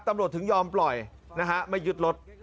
ตำรวจถึงยอมปล่อยนะฮะไม่ยึดรถ